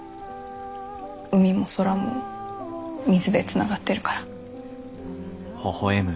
海も空も水でつながってるから。